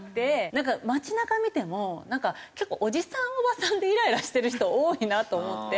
なんか街なか見ても結構おじさんおばさんでイライラしてる人多いなと思って。